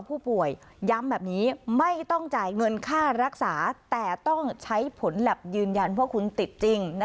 ผู้ป่วยย้ำแบบนี้ไม่ต้องจ่ายเงินค่ารักษาแต่ต้องใช้ผลแล็บยืนยันว่าคุณติดจริง